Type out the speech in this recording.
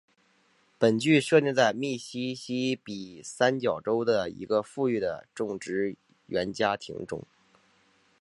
本剧设定在密西西比三角洲的一个富裕的种植园家庭中。